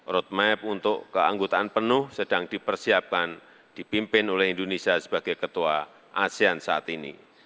roadmap untuk keanggotaan penuh sedang dipersiapkan dipimpin oleh indonesia sebagai ketua asean saat ini